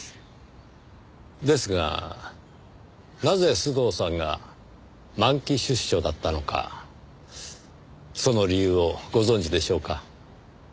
ですがなぜ須藤さんが満期出所だったのかその理由をご存じでしょうか？